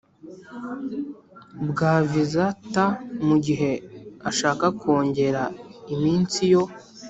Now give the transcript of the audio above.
bwa viza T mu gihe ashaka kongera iminsi yo